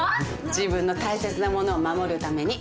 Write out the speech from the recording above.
自分の大切なものを守るために。